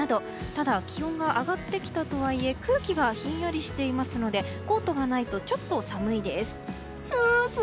ただ気温が上がってきたとはいえ空気がひんやりしていますのでコートがないとちょっと寒いです。